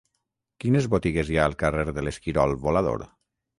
Quines botigues hi ha al carrer de l'Esquirol Volador?